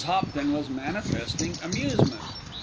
Hopton was manifesting amusement.